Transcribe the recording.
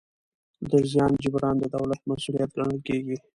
د زیان جبران د دولت مسوولیت ګڼل کېږي.